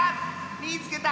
「みいつけた！